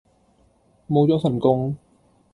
無咗份工